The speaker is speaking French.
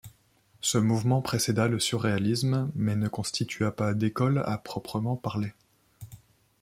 Ce mouvement précéda le surréalisme, mais ne constitua pas d'école à proprement parler.